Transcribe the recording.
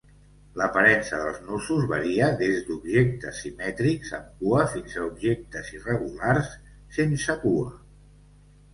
L'aparença dels nusos varia des d'objectes simètrics amb cua fins a objectes irregulars sense cua.